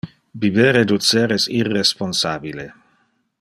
Biber e ducer es irresponsabile.